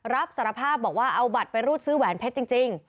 รับสารภาพบอกว่าเอาบัตรไปรูดซื้อแหวนเพชรจริง